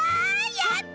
やった！